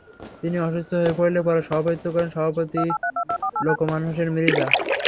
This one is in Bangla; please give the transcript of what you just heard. তিনি অসুস্থ হয়ে পড়লে পরে সভাপতিত্ব করেন সহসভাপতি লোকমান হোসেন মৃধা।